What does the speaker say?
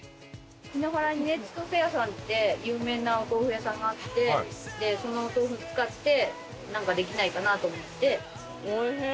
檜原にねちとせ屋さんって有名なお豆腐屋さんがあってそのお豆腐を使ってなんかできないかなと思って。